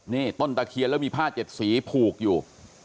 นี่ต้นตะเคียนแล้วมีผ้าเจ็ดสีผูกอยู่